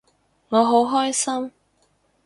我好開心